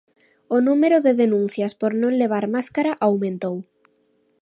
O número de denuncias por non levar máscara aumentou.